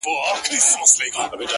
که مي د دې وطن له کاڼي هم کالي څنډلي!!